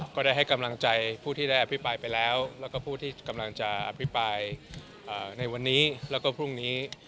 ก็ได้ให้กำลังใจผู้ที่ได้อภิปรายไปแล้วแล้วก็ผู้ที่กำลังจะอภิปรายในวันนี้แล้วก็พรุ่งนี้